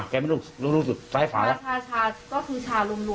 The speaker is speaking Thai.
ไม่อุ่นเย็นชาลวม